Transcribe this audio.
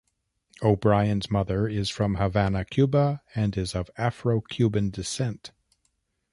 O'Brien's mother is from Havana, Cuba, and is of Afro-Cuban descent.